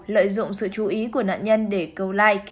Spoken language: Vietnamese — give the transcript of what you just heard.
lợi dụng sự chú ý của nạn nhân để câu like